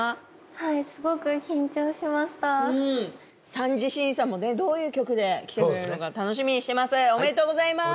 三次審査もねどういう曲で来てくれるのか楽しみにしてます。